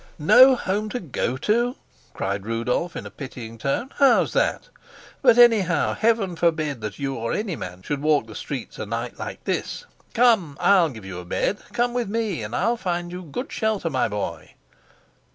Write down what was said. "No home to go to!" cried Rudolf in a pitying tone. "How's that? But anyhow, Heaven forbid that you or any man should walk the streets a night like this. Come, I'll give you a bed. Come with me, and I'll find you good shelter, my boy."